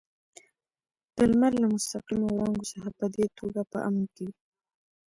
د لمر له مستقیمو وړانګو څخه په دې توګه په امن کې وي.